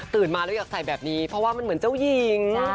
มาแล้วอยากใส่แบบนี้เพราะว่ามันเหมือนเจ้าหญิง